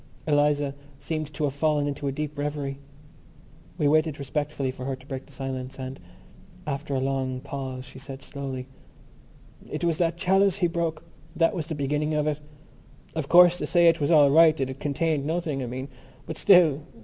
Eliza seemed to have fallen into a deep revery. We waited respectfully for her to break the silence: and after a long pause she said slowly: "It was that chalice he broke.... That was the beginning of it. Of course, they say it was all right, that it contained nothing, I mean. But still....